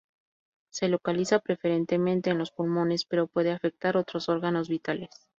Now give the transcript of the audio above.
Se localiza preferentemente en los pulmones pero puede afectar otros órganos vitales.